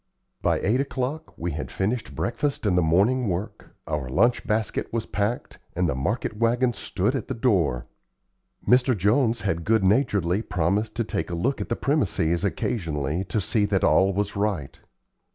By eight o'clock we had finished breakfast and the morning work, our lunch basket was packed, and the market wagon stood at the door. Mr. Jones had good naturedly promised to take a look at the premises occasionally to see that all was right.